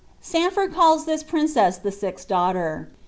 * Sandford calls this princess the sixth daughter.